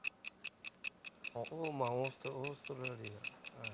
オーストラリア。